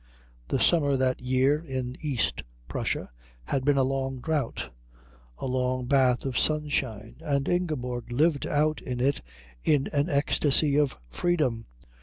The summer that year in East Prussia had been a long drought, a long bath of sunshine, and Ingeborg lived out in it in an ecstasy of freedom.